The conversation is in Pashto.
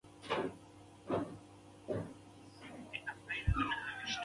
ازادي راډیو د اطلاعاتی تکنالوژي په اړه د هر اړخیز پوښښ ژمنه کړې.